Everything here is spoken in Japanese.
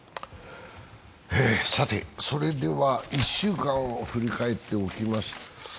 さて、それでは１週間を振り返っておきます。